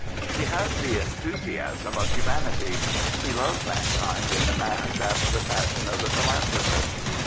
He has the enthusiasm of humanity. He loves man kind in the mass after the fashion of the philanthropist.